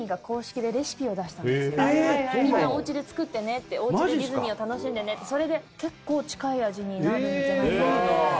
みんなおうちで作ってねっておうちでディズニーを楽しんでねってそれで結構近い味になるんじゃないかな